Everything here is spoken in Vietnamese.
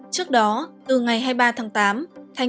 trước đó từ ngày hai mươi ba tháng tám